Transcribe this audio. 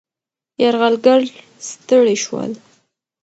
یرغلګر ستړي شول.